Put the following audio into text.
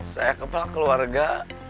saya kepala keluarga